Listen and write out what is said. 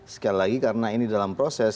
sekali lagi karena ini dalam proses